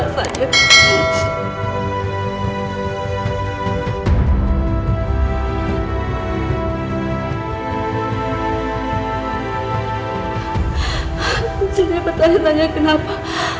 sini bertanya tanya kenapa